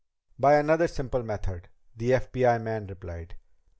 "By another simple method," the FBI man replied.